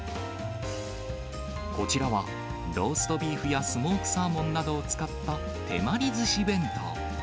こちらは、ローストビーフやスモークサーモンなどを使った手まりずし弁当。